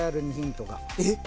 ・えっ！？